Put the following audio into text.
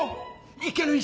行ける人！